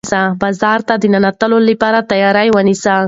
بازار ته د ننوتلو لپاره تیاری ونیسه.